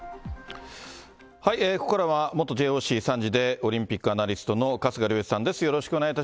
ここからは元ＪＯＣ参事でオリンピックアナリストの春日良一さんです。